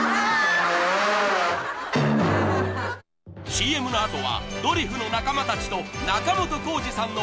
［ＣＭの後はドリフの仲間たちと仲本工事さんの思い出トーク］